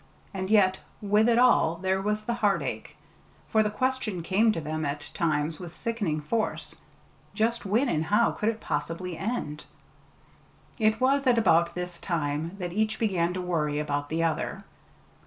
And yet, with it all there was the heartache; for the question came to them at times with sickening force just when and how could it possibly end? It was at about this time that each began to worry about the other.